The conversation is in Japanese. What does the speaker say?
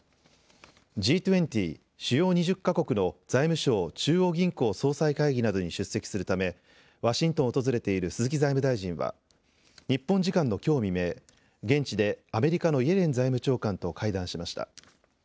Ｇ２０・主要２０か国の財務相・中央銀行総裁会議などに出席するためワシントンを訪れている鈴木財務大臣は日本時間のきょう未明、現地でアメリカのイエレン財務長官と会談しました。